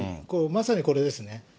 まさにこれですね。